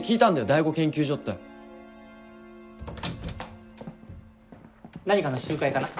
「第五研究所」って何かの集会かな？